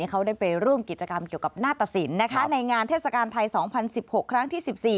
เขาได้ไปร่วมกิจกรรมเกี่ยวกับหน้าตสินในงานเทศกาลไทย๒๐๑๖ครั้งที่๑๔